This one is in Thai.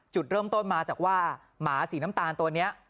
จุดเริ่มต้นมาจากว่าหมาสีน้ำตาลตัวนี้